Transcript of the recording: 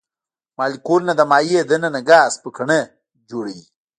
مالیکولونه د مایع د ننه ګاز پوکڼۍ جوړوي.